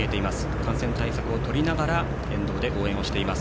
感染対策をとりながら沿道で応援しています。